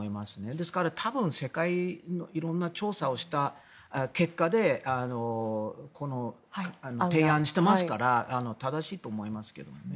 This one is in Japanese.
ですから、多分世界の色んな調査をした結果でこの提案をしていますから正しいと思いますけどね。